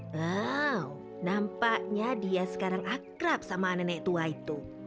wow nampaknya dia sekarang akrab sama nenek tua itu